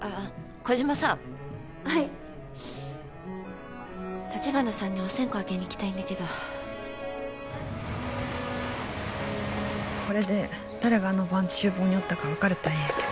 児島さんはい橘さんにお線香あげに行きたいんだけどこれで誰があの晩厨房におったか分かるとええんやけど